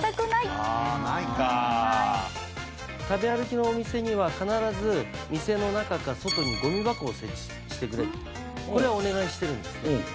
あないか食べ歩きのお店には必ず店の中か外にゴミ箱を設置してくれとこれはお願いしてるんですね